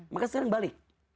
maka sekarang balik